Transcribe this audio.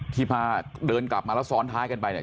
พาเดินกลับมาแล้วซ้อนท้ายกันไปเนี่ย